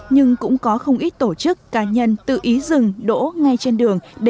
nhưng cũng có không ít tổ chức cá nhân tự ý dừng đỗ ngay trên đường